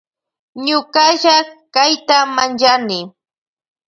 Ñukalla kayta manllani.